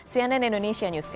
cnn indonesia news